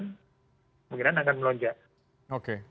kemungkinan akan melonjak